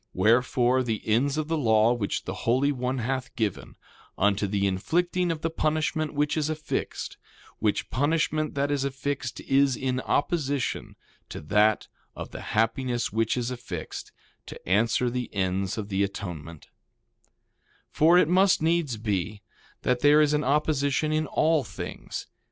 Wherefore, the ends of the law which the Holy One hath given, unto the inflicting of the punishment which is affixed, which punishment that is affixed is in opposition to that of the happiness which is affixed, to answer the ends of the atonement— 2:11 For it must needs be, that there is an opposition in all things.